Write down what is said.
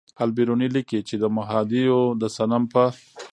البېروني لیکي چې د مهادیو د صنم په